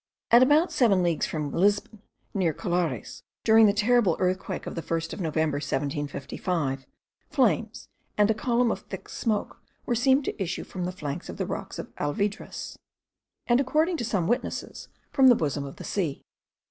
At about seven leagues from Lisbon, near Colares, during the terrible earthquake of the 1st of November, 1755, flames and a column of thick smoke were seen to issue from the flanks of the rocks of Alvidras, and, according to some witnesses, from the bosom of the sea.